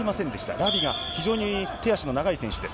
ラビが非常に手足の長い選手です。